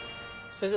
先生